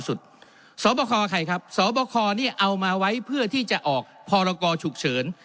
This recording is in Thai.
สอบคอใครครับสบคเนี่ยเอามาไว้เพื่อที่จะออกพรกรฉุกเฉิน